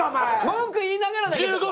文句言いながらだけど。